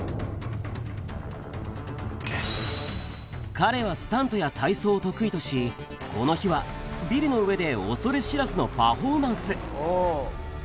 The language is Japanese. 彼はスタントや体操を得意とし、この日はビルの上で恐れ知らずのパフォーマンス。